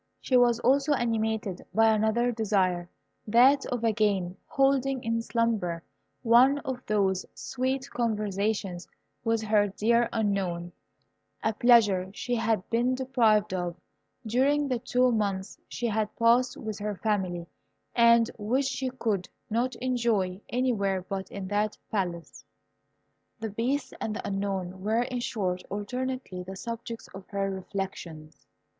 She was also animated by another desire, that of again holding in slumber one of those sweet conversations with her dear Unknown, a pleasure she had been deprived of during the two months she had passed with her family, and which she could not enjoy anywhere but in that Palace. The Beast and the Unknown were, in short, alternately the subjects of her reflections.